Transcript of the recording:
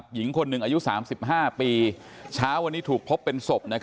หญิงคนหนึ่งอายุ๓๕ปีเช้าวันนี้ถูกพบเป็นศพ